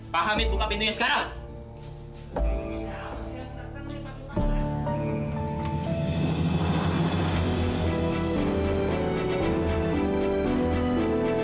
pak hamid buka pintunya sekarang